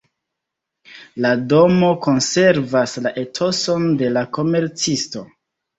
La domo konservas la etoson de la komercisto.